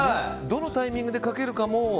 どのタイミングでかけるかも。